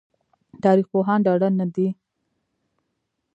تاريخ پوهان ډاډه نه دي